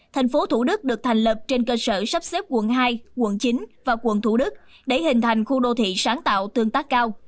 thành phố thủ đức được thành lập trên cơ sở sắp xếp quận hai quận chín và quận thủ đức để hình thành khu đô thị sáng tạo tương tác cao